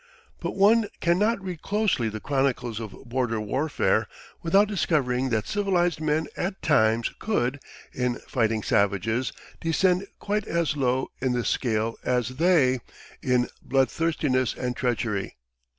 But one can not read closely the chronicles of border warfare without discovering that civilized men at times could, in fighting savages, descend quite as low in the scale as they, in bloodthirstiness and treachery.